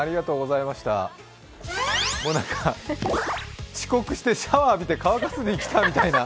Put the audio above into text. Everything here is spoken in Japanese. もうなんか、遅刻してシャワー浴びて乾かさずに来たみたいな。